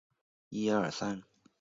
滇西泽芹是伞形科泽芹属的植物。